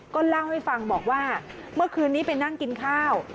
ก็เล่าให้ฟังบอกว่าเมื่อคืนนี้ไปนั่งกินข้าว